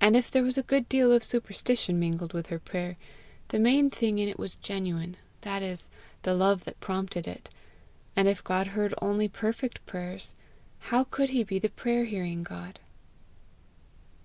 And if there was a good deal of superstition mingled with her prayer, the main thing in it was genuine, that is, the love that prompted it; and if God heard only perfect prayers, how could he be the prayer hearing God?